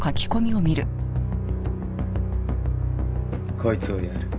こいつをやる。